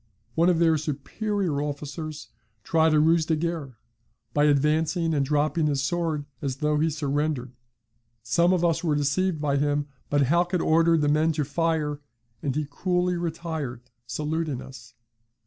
One of their superior officers tried a RUSE DE GUERRE, by advancing and dropping his sword, as though he surrendered; some of us were deceived by him, but Halkett ordered the men to fire, and he coolly retired, saluting us.